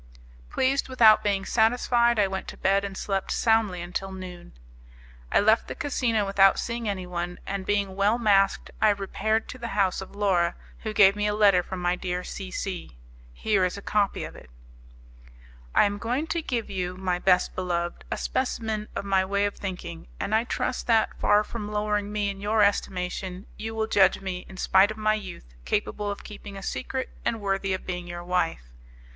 Pleased without being satisfied, I went to bed and slept soundly until noon. I left the casino without seeing anyone, and being well masked I repaired to the house of Laura, who gave me a letter from my dear C C . Here is a copy of it: "I am going to give you, my best beloved, a specimen of my way of thinking; and I trust that, far from lowering me in your estimation, you will judge me, in spite of my youth, capable of keeping a secret and worthy of being your wife.